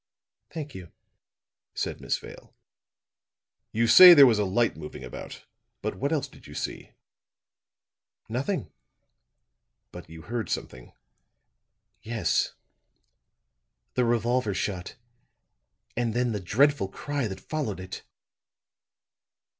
"Thank you," said Miss Vale. "You say there was a light moving about; but what else did you see?" "Nothing." "But you heard something?" "Yes; the revolver shot, and then the dreadful cry that followed it."